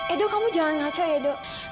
edo kamu jangan ngacau edo